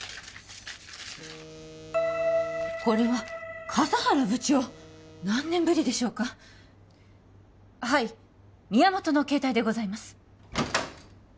これは笠原部長何年ぶりでしょうかはい宮本の携帯でございます